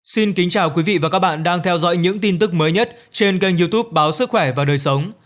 xin kính chào quý vị và các bạn đang theo dõi những tin tức mới nhất trên kênh youtube báo sức khỏe và đời sống